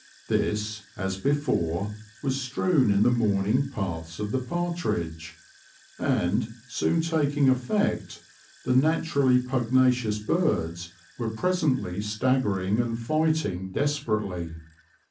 This, as before, was strewn in the morning paths of the partridge, and, soon taking effect, the naturally pugnacious birds were presently staggering and fighting desperately.